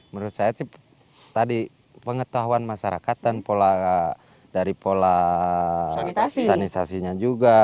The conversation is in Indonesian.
menurut saya sih tadi pengetahuan masyarakat dan pola dari pola sanitasi sanitasi nya juga